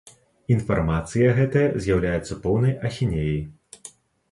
Інфармацыя гэтая з'яўляецца поўнай ахінеяй.